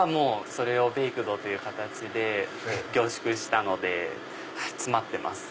それをベイクドという形で凝縮したので詰まってます